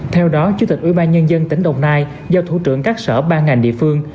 theo đó chủ tịch ủy ban nhân dân tỉnh đồng nai giao thủ trưởng các sở ba ngành địa phương